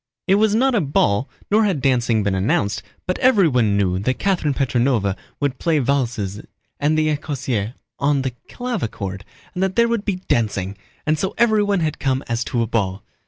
It was not a ball, nor had dancing been announced, but everyone knew that Catherine Petróvna would play valses and the écossaise on the clavichord and that there would be dancing, and so everyone had come as to a ball.